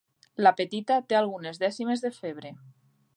La petita té algunes dècimes de febre.